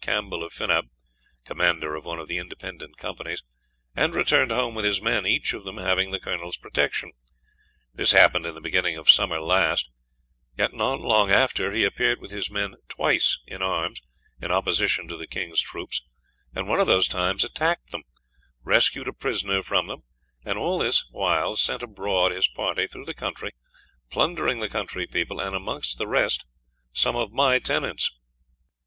Campbell of Finab, Commander of one of the Independent Companies, and returned home with his men, each of them having the Coll.'s protection. This happened in the beginning of summer last; yet not long after he appeared with his men twice in arms, in opposition to the King's troops: and one of those times attackt them, rescued a prisoner from them, and all this while sent abroad his party through the countrie, plundering the countrie people, and amongst the rest some of my tenants.